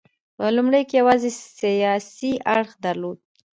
په لومړیو کې یوازې سیاسي اړخ درلود